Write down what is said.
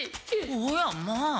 おやまあ。